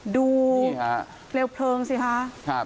ดูเปลวเพลิงสิคะ